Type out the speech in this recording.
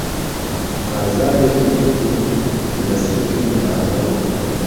ئازارێکی توندم له سنگمدا هەبوو